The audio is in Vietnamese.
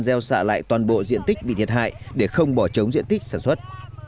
gieo xả lại toàn bộ diện tích bị thiệt hại để không bỏ chống diện tích sản xuất